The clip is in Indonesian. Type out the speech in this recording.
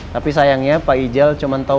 tapi sayangnya pak ijal cuma tahu